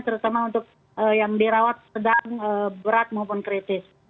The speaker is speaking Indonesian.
terutama untuk yang dirawat sedang berat maupun kritis